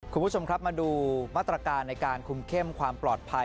คุณผู้ชมครับมาดูมาตรการในการคุมเข้มความปลอดภัย